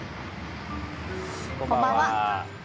こんばんは。